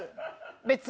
別に。